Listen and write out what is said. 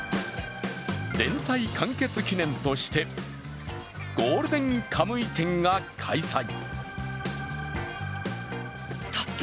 連載完結記念として「ゴールデンカムイ展」が開催。